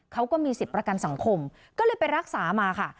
เขาก็มีสิทธิ์ประกันสังคมก็เลยไปรักษามาค่ะ